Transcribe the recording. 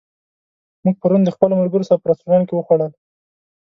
موږ پرون د خپلو ملګرو سره په رستورانت کې وخوړل.